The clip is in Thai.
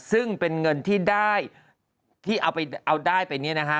ซึ่งเป็นเงินที่ได้ที่เอาไปเอาได้ไปเนี่ยนะฮะ